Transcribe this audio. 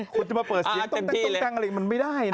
คุณจะมาเปิดเสียงแทนจุเปลังกลิกมันไม่ได้นะ